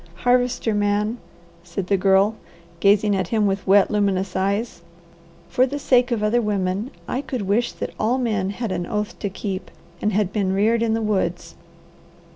"Harvester man," said the Girl, gazing at him with wet luminous eyes, "for the sake of other women, I could wish that all men had an oath to keep, and had been reared in the woods."